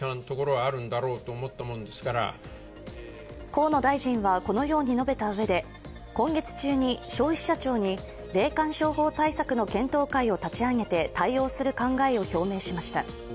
河野大臣はこのように述べたうえで、今月中に消費者庁に霊感商法対策の検討会を立ち上げて対応する考えを表明しました。